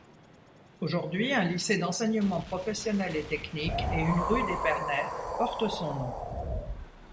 Aujourd'hui un lycée d'enseignement professionnel et technique et une rue d’Épernay portent son nom.